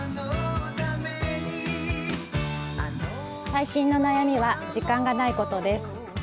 最近の悩みは時間がないことです。